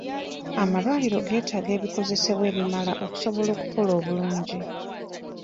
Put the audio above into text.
Amalwaliro getaaga ebikozesebwa ebimala okusobola okukola obulungi.